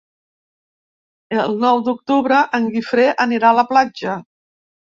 El nou d'octubre en Guifré anirà a la platja.